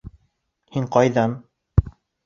Һин ҡайҙан?